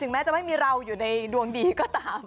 แม้จะไม่มีเราอยู่ในดวงดีก็ตาม